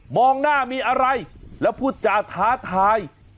องหน้ามีอะไรแล้วพูดจาท้าทาย